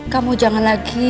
kamu jangan lagi